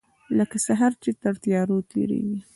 لکه سحر چې تر تیارو تیریږې